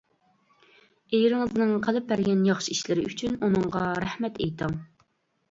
ئېرىڭىزنىڭ قىلىپ بەرگەن ياخشى ئىشلىرى ئۈچۈن ئۇنىڭغا رەھمەت ئېيتىڭ.